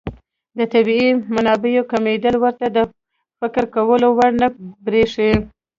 د طبیعي منابعو کمېدل ورته د فکر کولو وړ نه بريښي.